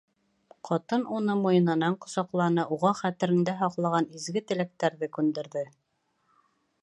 Ҡатын уны муйынынан ҡосаҡланы, уға хәтерендә һаҡланған изге теләктәрҙе күндерҙе.